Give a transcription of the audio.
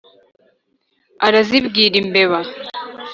arazibwira. imbeba